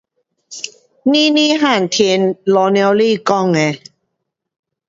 妮妮汉天，老母亲讲的。